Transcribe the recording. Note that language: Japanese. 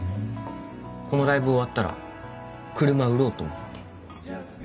このライブ終わったら車売ろうと思って。